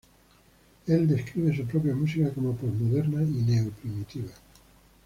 El describe su propia música como "postmoderna y neo-primitiva".